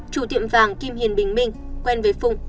chủ tiệm vàng kim hiền bình minh quen với phung